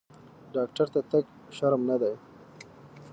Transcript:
ډاکټر ته تګ شرم نه دی۔